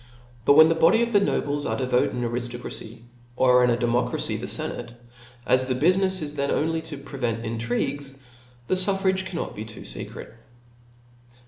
But when the body of the nobles are to vote in an ariftocracy ♦; or in a deaK)cracy5 the fenate f* ; as the bufinefs is then only to prevent intrigues, the fuffrages cannot be too fecret.